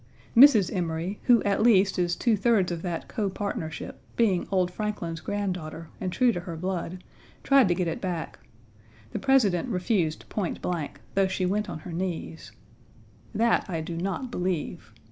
Mrs. Emory, who at least is two thirds of that copartnership, being old Franklin's granddaughter, and true to her blood, tried to get it back. The President refused point blank, though she went on her knees. That I do not believe.